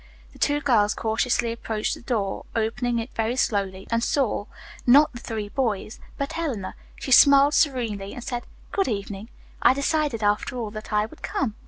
The two girls cautiously approached the door, opening it very slowly, and saw not the three boys but Eleanor. She smiled serenely and said: "Good evening. I decided, after all, that I would come."